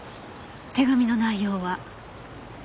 手紙の内容は？